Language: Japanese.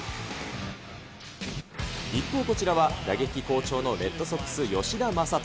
一方、こちらは打撃好調のレッドソックス、吉田正尚。